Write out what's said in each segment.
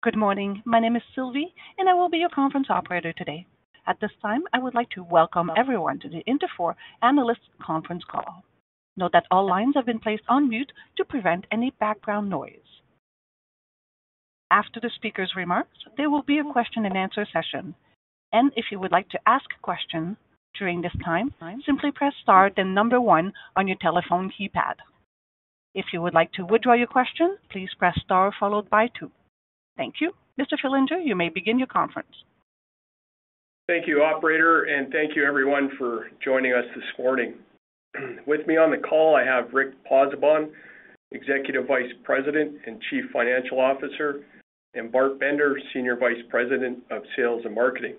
Good morning. My name is Sylvie, and I will be your conference operator today. At this time, I would like to welcome everyone to the Interfor analysts conference call. Note that all lines have been placed on mute to prevent any background noise. After the speaker's remarks, there will be a question-and-answer session, and if you would like to ask a question during this time, simply press star then number one on your telephone keypad. If you would like to withdraw your question, please press star followed by two. Thank you. Mr. Fillinger, you may begin your conference. Thank you, Operator, and thank you, everyone, for joining us this morning. With me on the call, I have Rick Pozzebon, Executive Vice President and Chief Financial Officer, and Bart Bender, Senior Vice President of Sales and Marketing.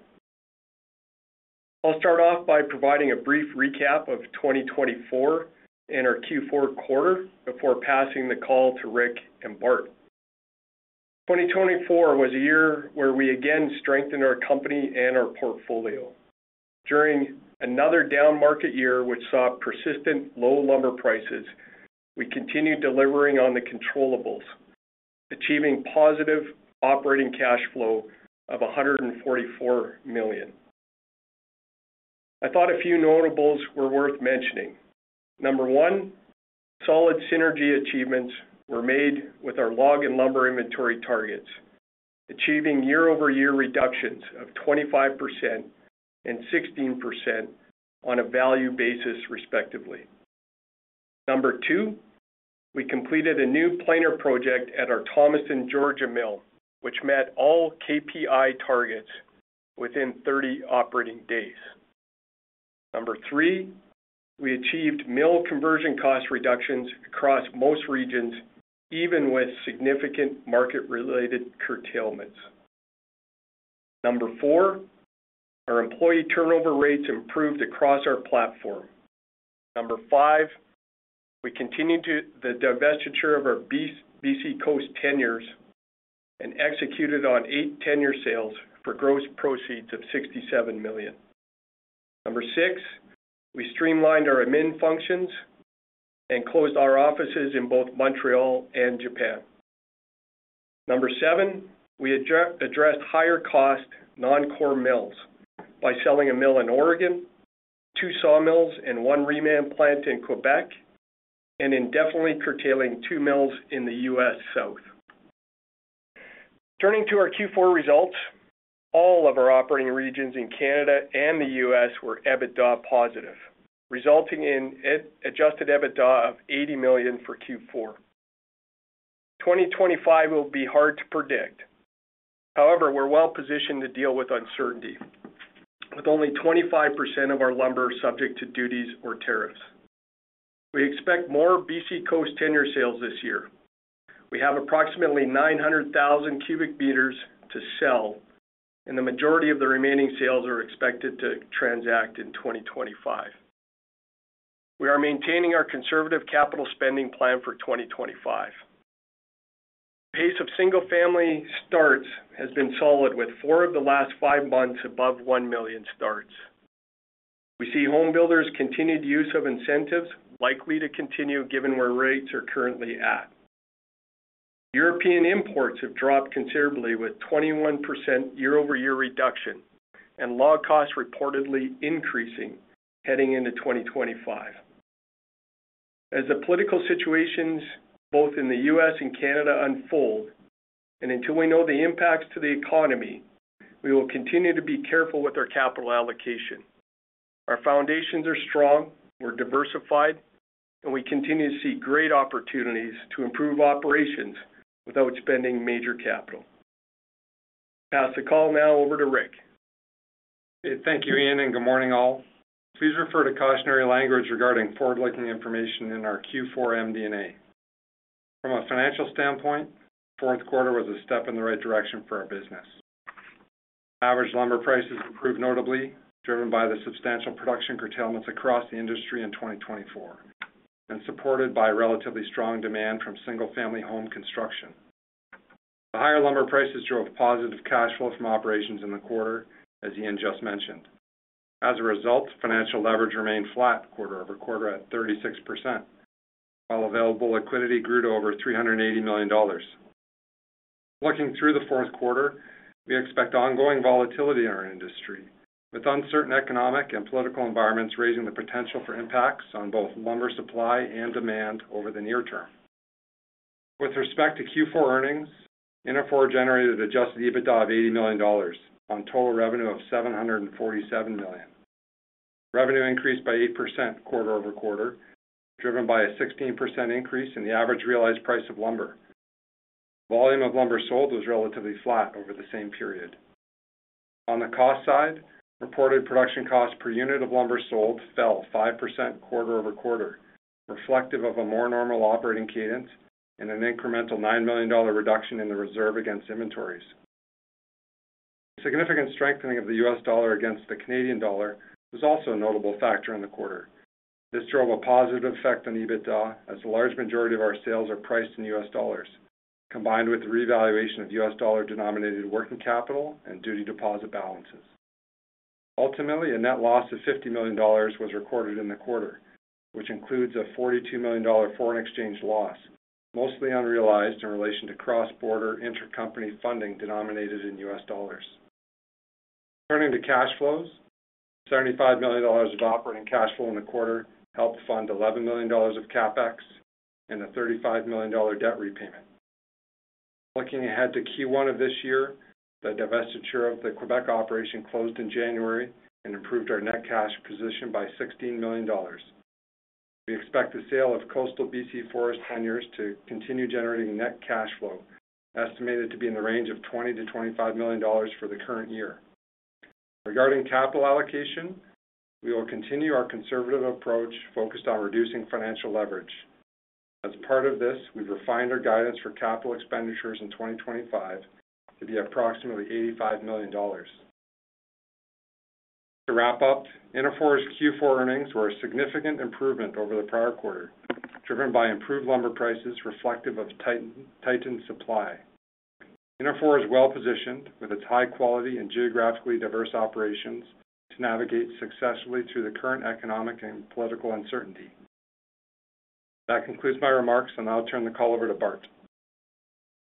I'll start off by providing a brief recap of 2024 and our Q4 quarter before passing the call to Rick and Bart. 2024 was a year where we again strengthened our company and our portfolio. During another down market year, which saw persistent low lumber prices, we continued delivering on the controllable, achieving positive operating cash flow of $144 million. I thought a few notables were worth mentioning. Number one, solid synergy achievements were made with our log and lumber inventory targets, achieving year-over-year reductions of 25% and 16% on a value basis, respectively. Number two, we completed a new planer project at our Thomaston, Georgia mill, which met all KPI targets within 30 operating days. Number three, we achieved mill conversion cost reductions across most regions, even with significant market-related curtailments. Number four, our employee turnover rates improved across our platform. Number five, we continued the divestiture of our BC Coast tenures and executed on eight tenure sales for gross proceeds of 67 million. Number six, we streamlined our admin functions and closed our offices in both Montreal and Japan. Number seven, we addressed higher-cost non-core mills by selling a mill in Oregon, two sawmills, and one reman plant in Quebec, and indefinitely curtailing two mills in the U.S. South. Turning to our Q4 results, all of our operating regions in Canada and the U.S. were EBITDA positive, resulting in an adjusted EBITDA of 80 million for Q4. 2025 will be hard to predict. However, we're well positioned to deal with uncertainty, with only 25% of our lumber subject to duties or tariffs. We expect more BC Coast tenure sales this year. We have approximately 900,000 cu m to sell, and the majority of the remaining sales are expected to transact in 2025. We are maintaining our conservative capital spending plan for 2025. The pace of single-family starts has been solid, with four of the last five months above one million starts. We see homebuilders' continued use of incentives likely to continue given where rates are currently at. European imports have dropped considerably, with 21% year-over-year reduction and log costs reportedly increasing heading into 2025. As the political situations both in the U.S. and Canada unfold, and until we know the impacts to the economy, we will continue to be careful with our capital allocation. Our foundations are strong, we're diversified, and we continue to see great opportunities to improve operations without spending major capital. Pass the call now over to Rick. Thank you, Ian, and good morning, all. Please refer to cautionary language regarding forward-looking information in our Q4 MD&A. From a financial standpoint, the fourth quarter was a step in the right direction for our business. Average lumber prices improved notably, driven by the substantial production curtailments across the industry in 2024 and supported by relatively strong demand from single-family home construction. The higher lumber prices drove positive cash flow from operations in the quarter, as Ian just mentioned. As a result, financial leverage remained flat quarter-over-quarter at 36%, while available liquidity grew to over 380 million dollars. Looking through the fourth quarter, we expect ongoing volatility in our industry, with uncertain economic and political environments raising the potential for impacts on both lumber supply and demand over the near term. With respect to Q4 earnings, Interfor generated adjusted EBITDA of 80 million dollars on total revenue of 747 million. Revenue increased by 8% quarter-over-quarter, driven by a 16% increase in the average realized price of lumber. Volume of lumber sold was relatively flat over the same period. On the cost side, reported production costs per unit of lumber sold fell 5% quarter-over-quarter, reflective of a more normal operating cadence and an incremental $9 million reduction in the reserve against inventories. Significant strengthening of the U.S. dollar against the Canadian dollar was also a notable factor in the quarter. This drove a positive effect on EBITDA, as the large majority of our sales are priced in U.S. dollars, combined with the revaluation of U.S. dollar-denominated working capital and duty deposit balances. Ultimately, a net loss of $50 million was recorded in the quarter, which includes a $42 million foreign exchange loss, mostly unrealized in relation to cross-border intercompany funding denominated in U.S. dollars. Turning to cash flows, $75 million of operating cash flow in the quarter helped fund $11 million of CapEx and a $35 million debt repayment. Looking ahead to Q1 of this year, the divestiture of the Quebec operation closed in January and improved our net cash position by $16 million. We expect the sale of coastal BC forest tenures to continue generating net cash flow, estimated to be in the range of $20 million-$25 million for the current year. Regarding capital allocation, we will continue our conservative approach focused on reducing financial leverage. As part of this, we've refined our guidance for capital expenditures in 2025 to be approximately $85 million. To wrap up, Interfor's Q4 earnings were a significant improvement over the prior quarter, driven by improved lumber prices reflective of tightened supply. Interfor is well positioned with its high-quality and geographically diverse operations to navigate successfully through the current economic and political uncertainty. That concludes my remarks, and I'll turn the call over to Bart.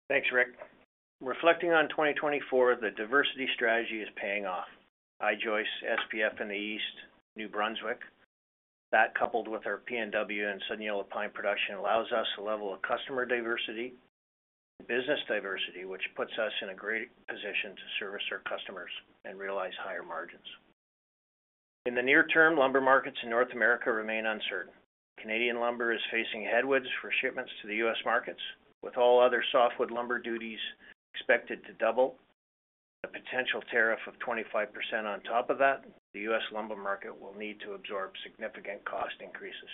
Thanks, Rick. Reflecting on 2024, the diversity strategy is paying off. I-joists, SPF in the East, New Brunswick, that coupled with our PNW and Southern Yellow Pine production allows us a level of customer diversity and business diversity, which puts us in a great position to service our customers and realize higher margins. In the near term, lumber markets in North America remain uncertain. Canadian lumber is facing headwinds for shipments to the U.S. markets, with all other softwood lumber duties expected to double. The potential tariff of 25% on top of that, the U.S. lumber market will need to absorb significant cost increases.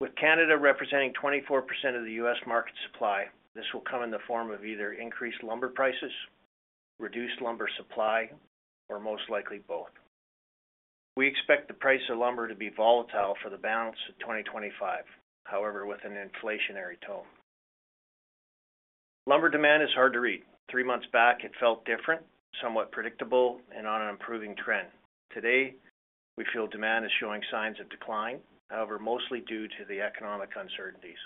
With Canada representing 24% of the U.S. market supply, this will come in the form of either increased lumber prices, reduced lumber supply, or most likely both. We expect the price of lumber to be volatile for the balance of 2025, however, with an inflationary tone. Lumber demand is hard to read. Three months back, it felt different, somewhat predictable, and on an improving trend. Today, we feel demand is showing signs of decline, however, mostly due to the economic uncertainties.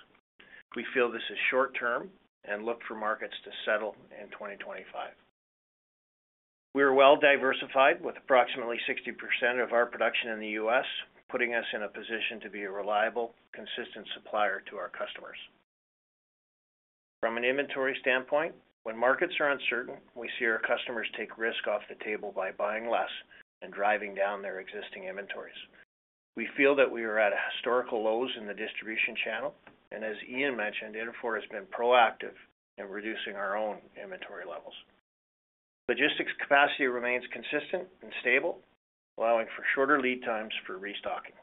We feel this is short-term and look for markets to settle in 2025. We are well diversified, with approximately 60% of our production in the U.S. putting us in a position to be a reliable, consistent supplier to our customers. From an inventory standpoint, when markets are uncertain, we see our customers take risk off the table by buying less and driving down their existing inventories. We feel that we are at historical lows in the distribution channel, and as Ian mentioned, Interfor has been proactive in reducing our own inventory levels. Logistics capacity remains consistent and stable, allowing for shorter lead times for restocking.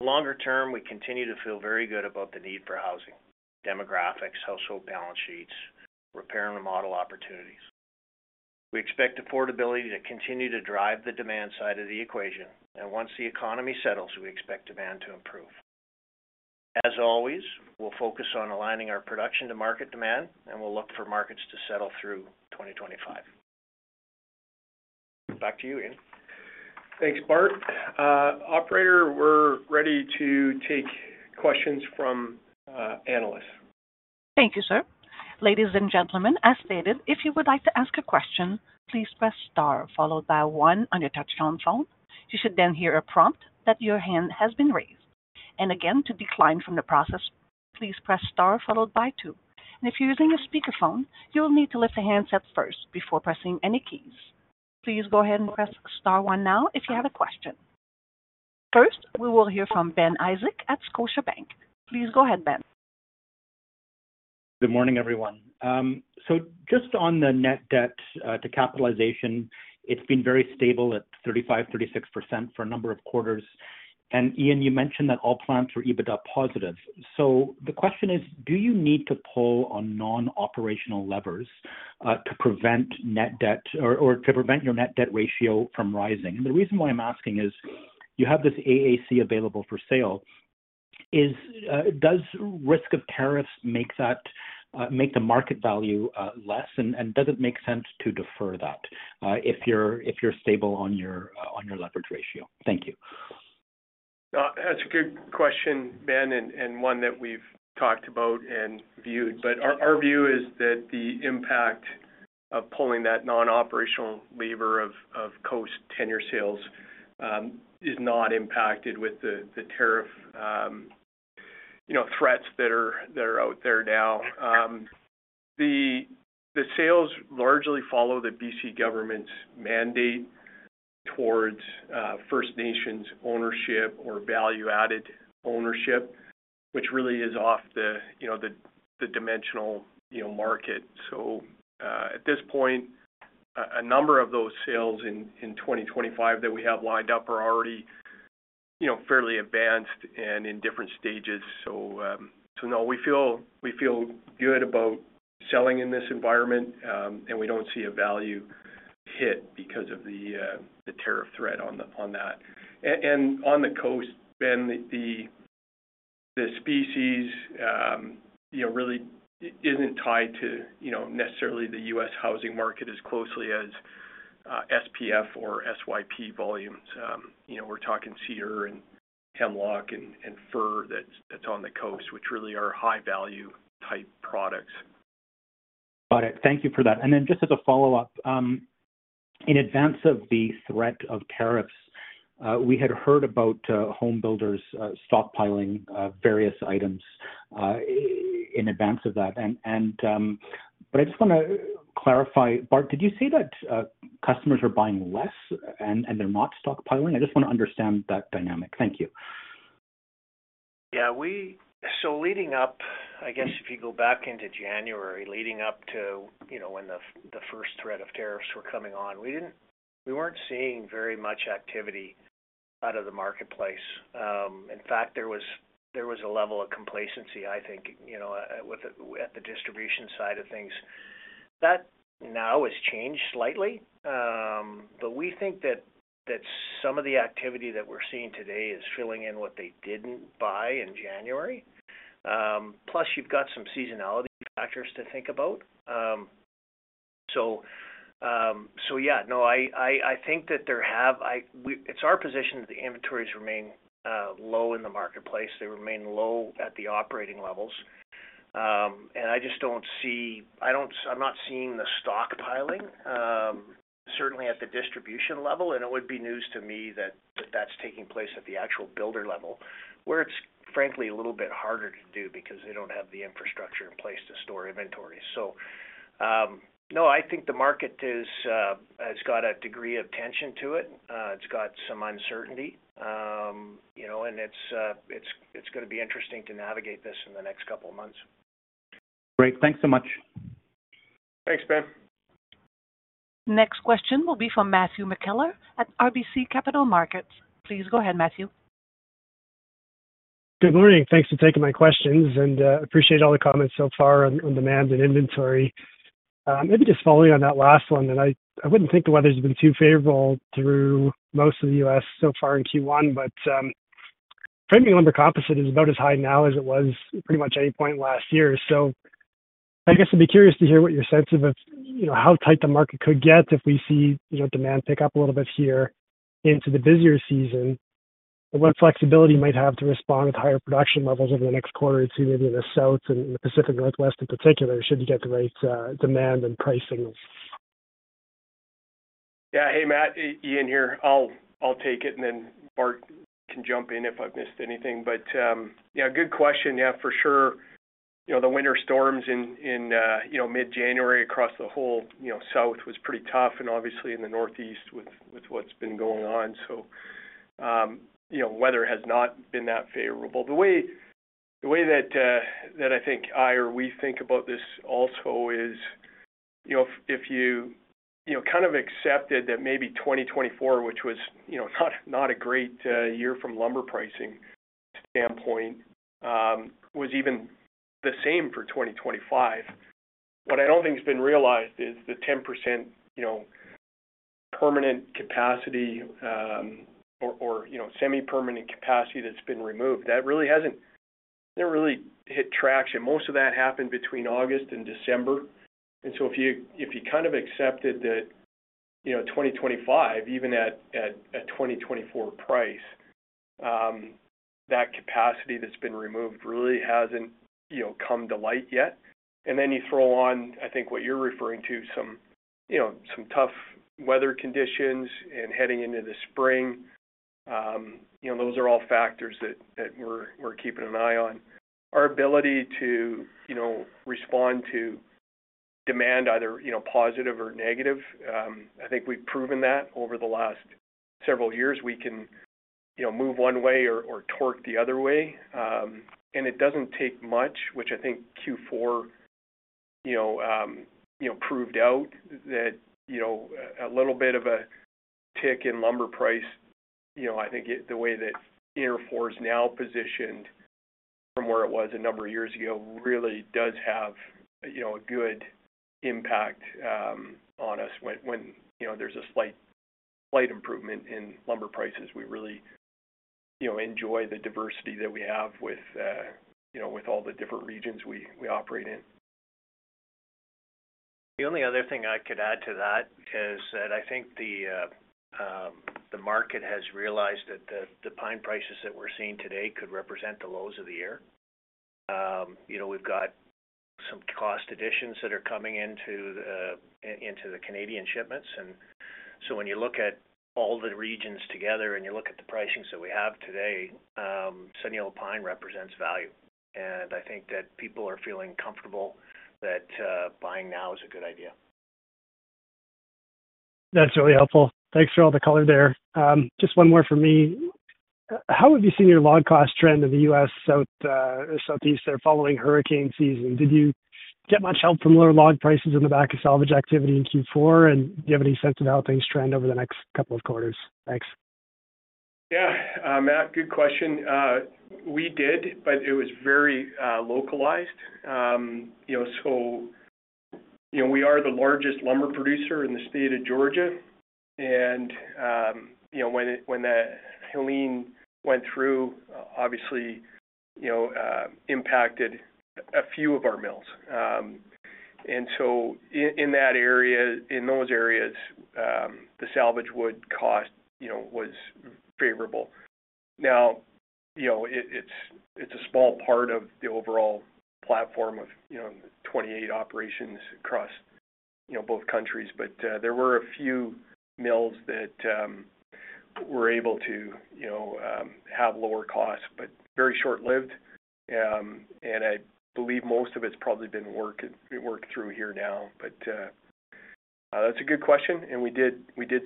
Longer term, we continue to feel very good about the need for housing, demographics, household balance sheets, repair and remodel opportunities. We expect affordability to continue to drive the demand side of the equation, and once the economy settles, we expect demand to improve. As always, we'll focus on aligning our production to market demand, and we'll look for markets to settle through 2025. Back to you, Ian. Thanks, Bart. Operator, we're ready to take questions from analysts. Thank you, sir. Ladies and gentlemen, as stated, if you would like to ask a question, please press star followed by one on your touch-tone phone. You should then hear a prompt that your hand has been raised. And again, to decline from the process, please press star followed by two. And if you're using a speakerphone, you will need to lift the handset up first before pressing any keys. Please go ahead and press star one now if you have a question. First, we will hear from Ben Isaac at Scotiabank. Please go ahead, Ben. Good morning, everyone. So just on the net debt to capitalization, it's been very stable at 35%-36% for a number of quarters. And Ian, you mentioned that all plants are EBITDA positive. So the question is, do you need to pull on non-operational levers to prevent net debt or to prevent your net debt ratio from rising? And the reason why I'm asking is you have this AAC available for sale. Does risk of tariffs make the market value less, and does it make sense to defer that if you're stable on your leverage ratio? Thank you. That's a good question, Ben, and one that we've talked about and reviewed. But our view is that the impact of pulling that non-operational lever of coast tenure sales is not impacted with the tariff threats that are out there now. The sales largely follow the BC government's mandate towards First Nations ownership or value-added ownership, which really is off the dimension market. So at this point, a number of those sales in 2025 that we have lined up are already fairly advanced and in different stages. So no, we feel good about selling in this environment, and we don't see a value hit because of the tariff threat on that. On the coast, Ben, the species really isn't tied to necessarily the U.S. housing market as closely as SPF or SYP volumes. We're talking Cedar and Hemlock and Fir that's on the coast, which really are high-value type products. Got it. Thank you for that. And then just as a follow-up, in advance of the threat of tariffs, we had heard about homebuilders stockpiling various items in advance of that. But I just want to clarify, Bart, did you see that customers are buying less and they're not stockpiling? I just want to understand that dynamic. Thank you. Yeah. So leading up, I guess if you go back into January, leading up to when the first threat of tariffs were coming on, we weren't seeing very much activity out of the marketplace. In fact, there was a level of complacency, I think, at the distribution side of things. That now has changed slightly, but we think that some of the activity that we're seeing today is filling in what they didn't buy in January. Plus, you've got some seasonality factors to think about. So yeah, no, I think that there have. It's our position that the inventories remain low in the marketplace. They remain low at the operating levels. And I just don't see. I'm not seeing the stockpiling, certainly at the distribution level. And it would be news to me that that's taking place at the actual builder level, where it's, frankly, a little bit harder to do because they don't have the infrastructure in place to store inventories. So no, I think the market has got a degree of tension to it. It's got some uncertainty, and it's going to be interesting to navigate this in the next couple of months. Great. Thanks so much. Thanks, Ben. Next question will be from Matthew McKellar at RBC Capital Markets. Please go ahead, Matthew. Good morning. Thanks for taking my questions, and I appreciate all the comments so far on demand and inventory. Maybe just following on that last one, I wouldn't think the weather has been too favorable through most of the U.S. so far in Q1, but premium lumber composite is about as high now as it was pretty much any point last year. So I guess I'd be curious to hear what your sense of how tight the market could get if we see demand pick up a little bit here into the busier season, what flexibility might have to respond with higher production levels over the next quarter or two, maybe in the South and the Pacific Northwest in particular, should you get the right demand and pricing? Yeah. Hey, Matt, Ian here. I'll take it, and then Bart can jump in if I've missed anything. But yeah, good question. Yeah, for sure. The winter storms in mid-January across the whole South was pretty tough, and obviously in the northeast with what's been going on. So weather has not been that favorable. The way that I think I or we think about this also is if you kind of accepted that maybe 2024, which was not a great year from a lumber pricing standpoint, was even the same for 2025. What I don't think has been realized is the 10% permanent capacity or semi-permanent capacity that's been removed. That really hasn't. That really hit traction. Most of that happened between August and December. And so if you kind of accepted that 2025, even at a 2024 price, that capacity that's been removed really hasn't come to light yet. And then you throw on, I think what you're referring to, some tough weather conditions and heading into the spring. Those are all factors that we're keeping an eye on. Our ability to respond to demand, either positive or negative, I think we've proven that over the last several years. We can move one way or torque the other way. And it doesn't take much, which I think Q4 proved out, that a little bit of a tick in lumber price. I think the way that Interfor is now positioned from where it was a number of years ago really does have a good impact on us when there's a slight improvement in lumber prices. We really enjoy the diversity that we have with all the different regions we operate in. The only other thing I could add to that is that I think the market has realized that the pine prices that we're seeing today could represent the lows of the year. We've got some cost additions that are coming into the Canadian shipments. So when you look at all the regions together and you look at the pricings that we have today, Southern Yellow Pine represents value. And I think that people are feeling comfortable that buying now is a good idea. That's really helpful. Thanks for all the color there. Just one more from me. How have you seen your log cost trend in the U.S. southeast there following hurricane season? Did you get much help from lower log prices in the back of salvage activity in Q4? And do you have any sense of how things trend over the next couple of quarters? Thanks. Yeah. Matt, good question. We did, but it was very localized, so we are the largest lumber producer in the state of Georgia. When that Helene went through, it obviously impacted a few of our mills. In that area, in those areas, the salvage wood cost was favorable. Now, it's a small part of the overall platform of 28 operations across both countries, but there were a few mills that were able to have lower costs, but very short-lived. I believe most of it's probably been worked through here now. That's a good question. We did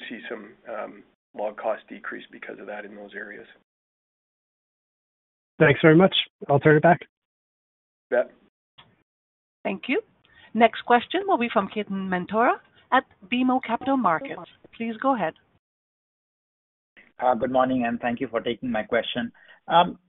see some log cost decrease because of that in those areas. Thanks very much. I'll turn it back. Yep. Thank you. Next question will be from Ketan Mamtora at BMO Capital Markets. Please go ahead. Hi, good morning, and thank you for taking my question.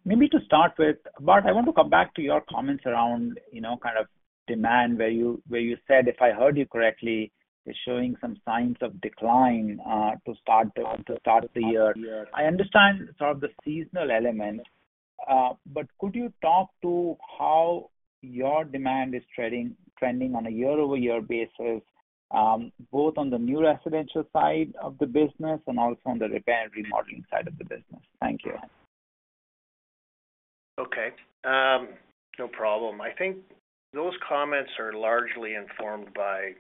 Maybe to start with, Bart, I want to come back to your comments around kind of demand, where you said, if I heard you correctly, it's showing some signs of decline to start the year. I understand sort of the seasonal element, but could you talk to how your demand is trending on a year-over-year basis, both on the new residential side of the business and also on the repair and remodeling side of the business? Thank you. Okay. No problem. I think those comments are largely informed by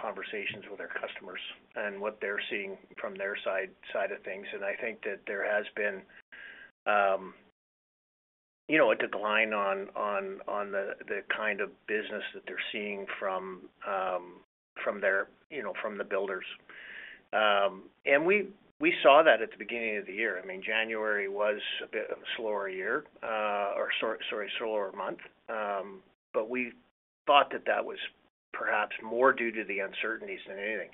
conversations with our customers and what they're seeing from their side of things. And I think that there has been a decline on the kind of business that they're seeing from the builders. And we saw that at the beginning of the year. I mean, January was a bit of a slower year or, sorry, slower month, but we thought that that was perhaps more due to the uncertainties than anything.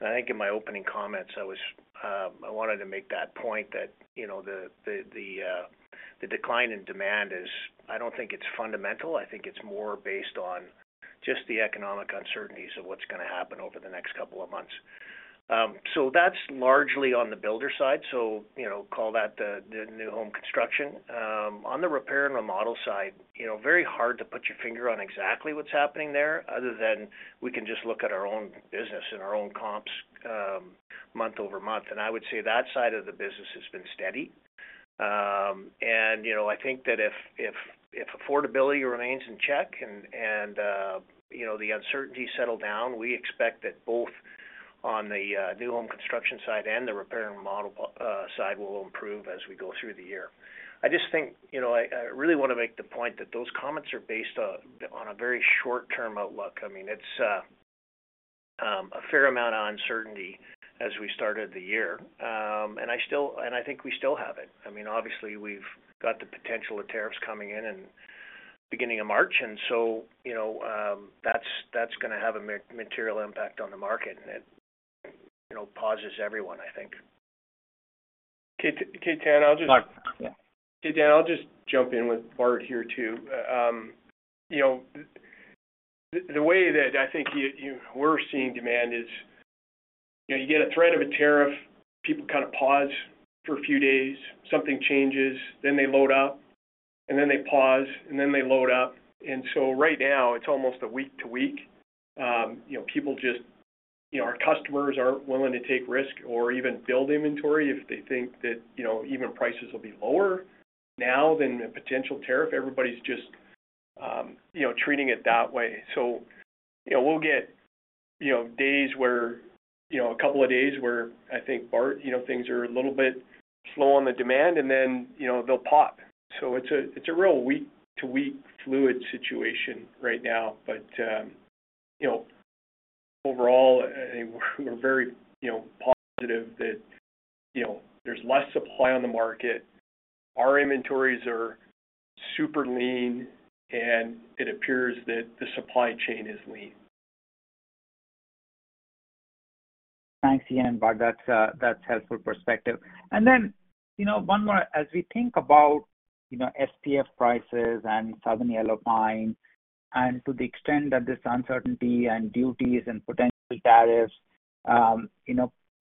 And I think in my opening comments, I wanted to make that point that the decline in demand is, I don't think it's fundamental. I think it's more based on just the economic uncertainties of what's going to happen over the next couple of months. So that's largely on the builder side. So call that the new home construction. On the repair and remodel side, it's very hard to put your finger on exactly what's happening there other than we can just look at our own business and our own comps month over month, and I would say that side of the business has been steady. I think that if affordability remains in check and the uncertainty settles down, we expect that both on the new home construction side and the repair and remodel side will improve as we go through the year. I just think I really want to make the point that those comments are based on a very short-term outlook. I mean, it's a fair amount of uncertainty as we started the year, and I think we still have it. I mean, obviously, we've got the potential of tariffs coming in in the beginning of March. That's going to have a material impact on the market, and it pauses everyone, I think. Ketan, I'll just jump in with Bart here too. The way that I think we're seeing demand is you get a threat of a tariff, people kind of pause for a few days, something changes, then they load up, and then they pause, and then they load up, and so right now it's almost a week-to-week. People just, our customers aren't willing to take risk or even build inventory if they think that even prices will be lower now than a potential tariff. Everybody's just treating it that way, so we'll get days where, a couple of days where I think, Bart, things are a little bit slow on the demand, and then they'll pop, so it's a real week-to-week fluid situation right now, but overall I think we're very positive that there's less supply on the market. Our inventories are super lean, and it appears that the supply chain is lean. Thanks, Ian and Bart. That's helpful perspective. And then one more, as we think about SPF prices and Southern Yellow Pine, and to the extent that this uncertainty and duties and potential tariffs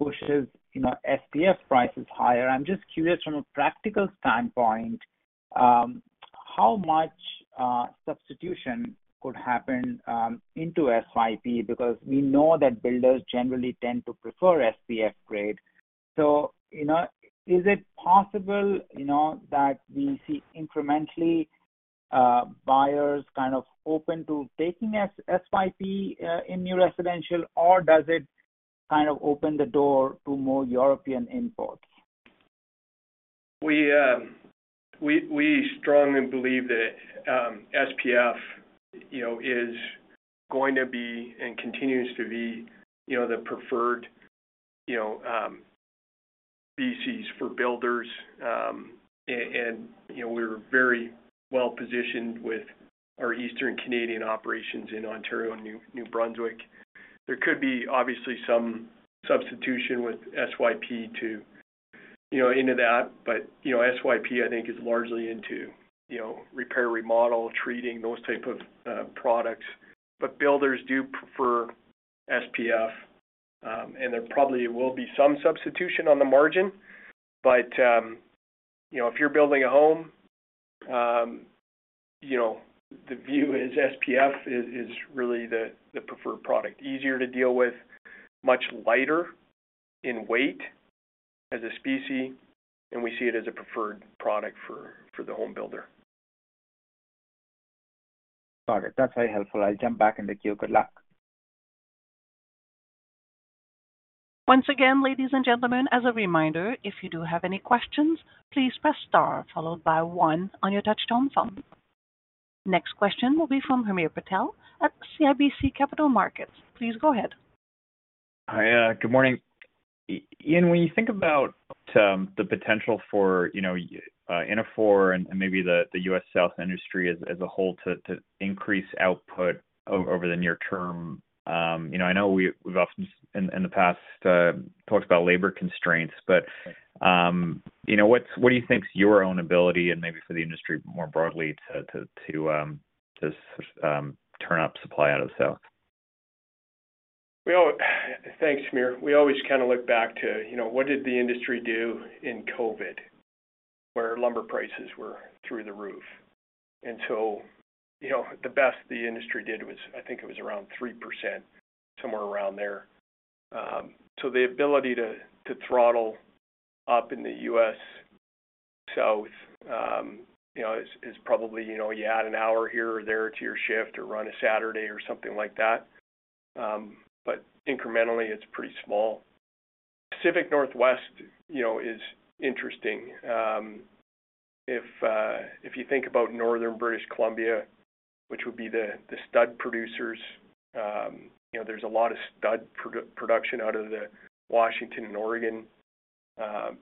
pushes SPF prices higher, I'm just curious from a practical standpoint, how much substitution could happen into SYP? Because we know that builders generally tend to prefer SPF grade. So is it possible that we see incrementally buyers kind of open to taking SYP in new residential, or does it kind of open the door to more European imports? We strongly believe that SPF is going to be and continues to be the preferred species for builders, and we're very well positioned with our Eastern Canadian operations in Ontario and New Brunswick. There could be, obviously, some substitution with SYP into that, but SYP, I think, is largely into repair, remodel, treating, those types of products, but builders do prefer SPF, and there probably will be some substitution on the margin, but if you're building a home, the view is SPF is really the preferred product. Easier to deal with, much lighter in weight as a species, and we see it as a preferred product for the home builder. Got it. That's very helpful. I'll jump back in the queue. Good luck. Once again, ladies and gentlemen, as a reminder, if you do have any questions, please press star followed by one on your touch-tone phone. Next question will be from Hamir Patel at CIBC Capital Markets. Please go ahead. Hi, good morning. Ian, when you think about the potential for Interfor and maybe the U.S. South industry as a whole to increase output over the near term, I know we've often in the past talked about labor constraints, but what do you think is your own ability and maybe for the industry more broadly to sort of turn up supply out of the South? Thanks, Hamir. We always kind of look back to what did the industry do in COVID where lumber prices were through the roof? And so the best the industry did was, I think it was around 3%, somewhere around there. So the ability to throttle up in the U.S. South is probably you add an hour here or there to your shift or run a Saturday or something like that. But incrementally, it's pretty small. Pacific Northwest is interesting. If you think about Northern British Columbia, which would be the stud producers, there's a lot of stud production out of the Washington and Oregon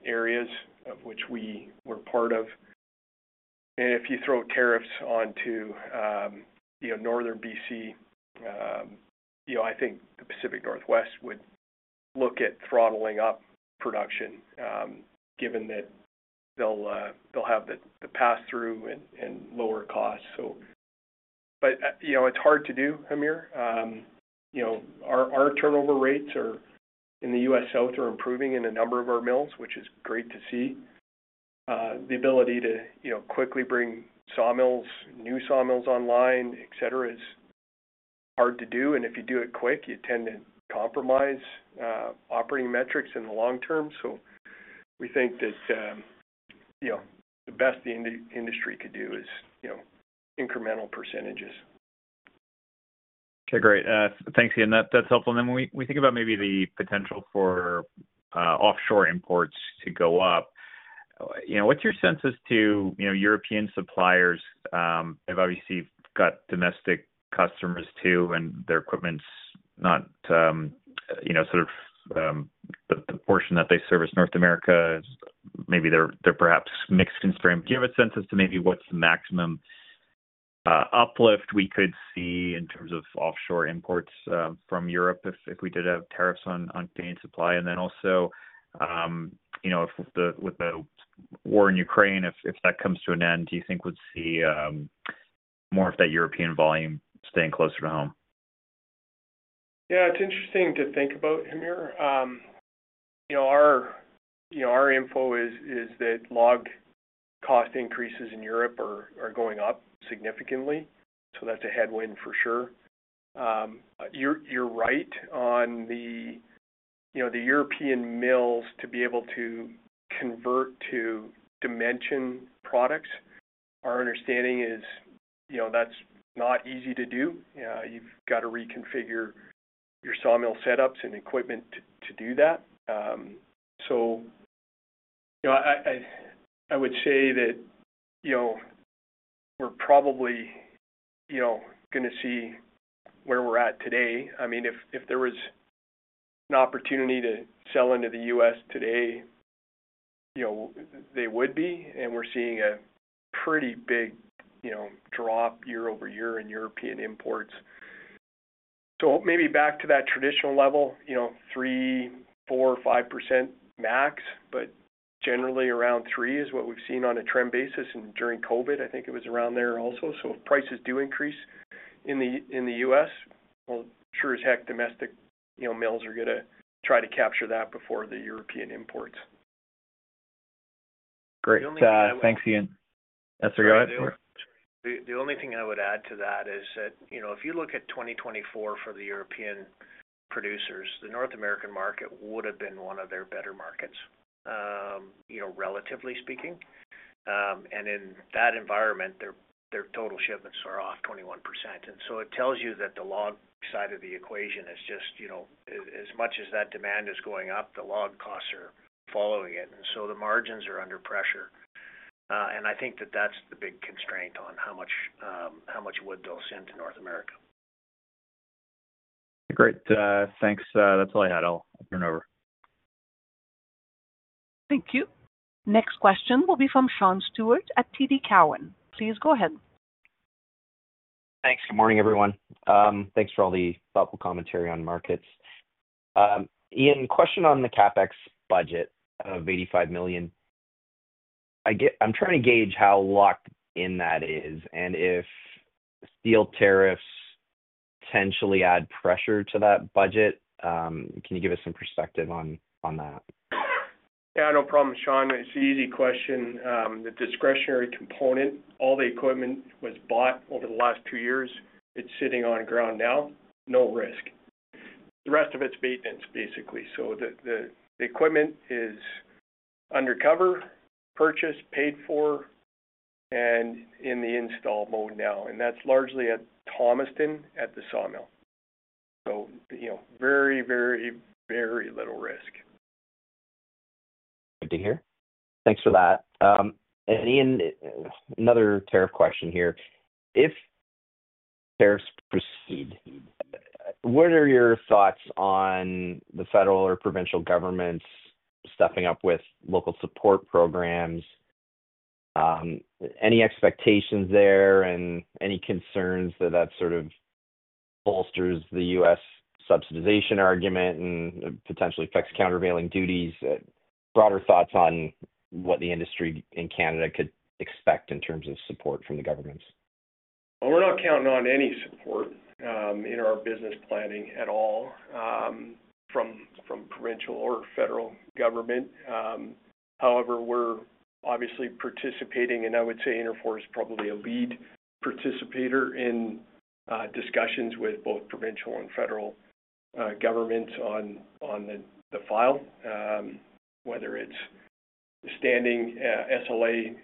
areas, of which we were part of. And if you throw tariffs onto Northern BC, I think the Pacific Northwest would look at throttling up production, given that they'll have the pass-through and lower costs. But it's hard to do, Hamir. Our turnover rates in the U.S. South are improving in a number of our mills, which is great to see. The ability to quickly bring sawmills, new sawmills online, etc., is hard to do. And if you do it quick, you tend to compromise operating metrics in the long term. So we think that the best the industry could do is incremental percentages. Okay, great. Thanks, Ian. That's helpful. And then when we think about maybe the potential for offshore imports to go up, what's your sense as to European suppliers? They've obviously got domestic customers too, and their equipment's not sort of the portion that they service North America. Maybe they're perhaps mixed in strength. Do you have a sense as to maybe what's the maximum uplift we could see in terms of offshore imports from Europe if we did have tariffs on Canadian supply? And then also, with the war in Ukraine, if that comes to an end, do you think we'd see more of that European volume staying closer to home? Yeah, it's interesting to think about, Hamir. Our info is that log cost increases in Europe are going up significantly. So that's a headwind for sure. You're right on the European mills to be able to convert to dimension products. Our understanding is that's not easy to do. You've got to reconfigure your sawmill setups and equipment to do that. So I would say that we're probably going to see where we're at today. I mean, if there was an opportunity to sell into the U.S. today, they would be. And we're seeing a pretty big drop year over year in European imports. So maybe back to that traditional level, 3%-5% max, but generally around 3% is what we've seen on a trend basis. And during COVID, I think it was around there also. So if prices do increase in the U.S., well, sure as heck, domestic mills are going to try to capture that before the European imports. Great. Thanks, Ian. That's a good answer. The only thing I would add to that is that if you look at 2024 for the European producers, the North American market would have been one of their better markets, relatively speaking, and in that environment, their total shipments are off 21%, and so it tells you that the log side of the equation is just as much as that demand is going up, the log costs are following it, and so the margins are under pressure, and I think that that's the big constraint on how much wood they'll send to North America. Great. Thanks. That's all I had. I'll turn it over. Thank you. Next question will be from Sean Steuart at TD Cowen. Please go ahead. Thanks. Good morning, everyone. Thanks for all the thoughtful commentary on markets. Ian, question on the CapEx budget of 85 million. I'm trying to gauge how locked in that is, and if steel tariffs potentially add pressure to that budget. Can you give us some perspective on that? Yeah, no problem, Sean. It's an easy question. The discretionary component, all the equipment was bought over the last two years. It's sitting on the ground now. No risk. The rest of it's maintenance, basically. So the equipment is undercover, purchased, paid for, and in the install mode now. And that's largely at Thomaston at the sawmill. So very, very, very little risk. Good to hear. Thanks for that. And Ian, another tariff question here. If tariffs proceed, what are your thoughts on the federal or provincial governments stepping up with local support programs? Any expectations there and any concerns that that sort of bolsters the U.S. subsidization argument and potentially affects countervailing duties? Broader thoughts on what the industry in Canada could expect in terms of support from the governments? We're not counting on any support in our business planning at all from provincial or federal government. However, we're obviously participating, and I would say Interfor is probably a lead participator in discussions with both provincial and federal governments on the file, whether it's the standing SLA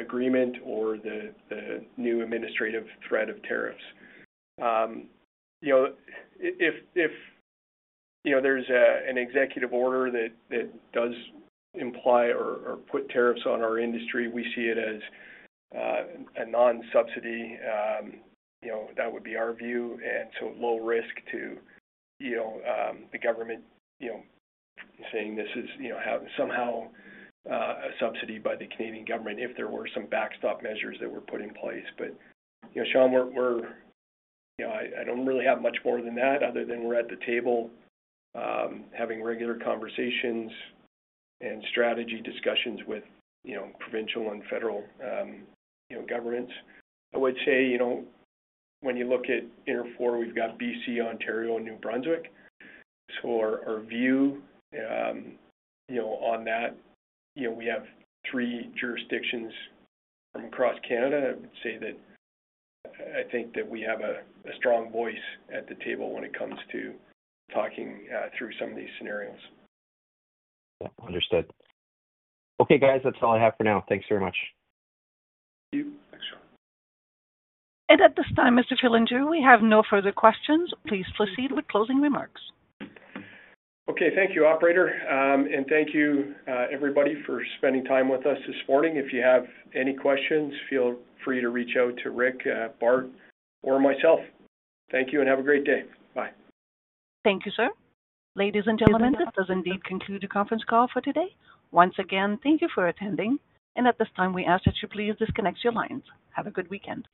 agreement or the new administrative threat of tariffs. If there's an executive order that does imply or put tariffs on our industry, we see it as a non-subsidy. That would be our view, and so low risk to the government saying this is somehow a subsidy by the Canadian government if there were some backstop measures that were put in place, but Sean, I don't really have much more than that other than we're at the table having regular conversations and strategy discussions with provincial and federal governments. I would say when you look at Interfor, we've got BC, Ontario, and New Brunswick. So our view on that, we have three jurisdictions from across Canada. I would say that I think that we have a strong voice at the table when it comes to talking through some of these scenarios. Understood. Okay, guys, that's all I have for now. Thanks very much. Thank you. Thanks, Sean. At this time, Mr. Fillinger, we have no further questions. Please proceed with closing remarks. Okay. Thank you, Operator. And thank you, everybody, for spending time with us this morning. If you have any questions, feel free to reach out to Rick, Bart, or myself. Thank you and have a great day. Bye. Thank you, sir. Ladies and gentlemen, this does indeed conclude the conference call for today. Once again, thank you for attending, and at this time, we ask that you please disconnect your lines. Have a good weekend.